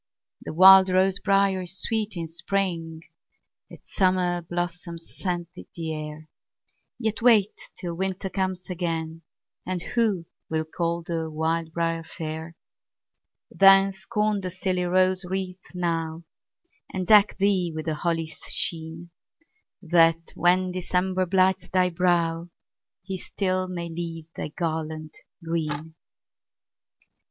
The wild rose briar is sweet in spring, Its summer blossoms scent the air; Yet wait till winter comes again, And who will call the wild briar fair? Then, scorn the silly rose wreath now, And deck thee with the holly's sheen, That, when December blights thy brow, He still may leave thy garland green.